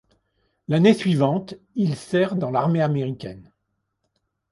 L'année suivante, il sert dans l'armée américaine.